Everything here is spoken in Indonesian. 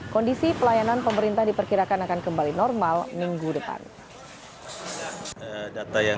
kondisi pelayanan pemerintah diperkirakan akan kembali normal minggu depan